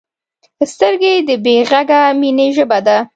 سترګې د بې غږه مینې ژبه ده